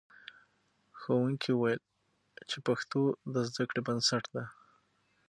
ښوونکي وویل چې پښتو د زده کړې بنسټ دی.